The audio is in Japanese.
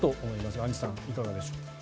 アンジュさん、いかがでしょう。